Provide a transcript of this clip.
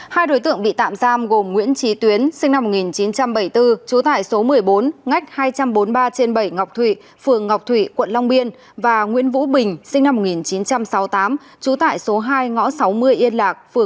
hai đối tượng bị tạm giam gồm nguyễn trí tuyến sinh năm một nghìn chín trăm bảy mươi bốn trú tại số một mươi bốn ngách hai trăm bốn mươi ba trên bảy ngọc thụy phường ngọc thụy quận long biên và nguyễn vũ bình sinh năm một nghìn chín trăm sáu mươi tám trú tại số hai ngõ sáu mươi yên lạc